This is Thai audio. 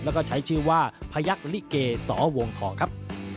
แล้วก็ใช้ชื่อว่าพยักษลิเกสวงทองครับ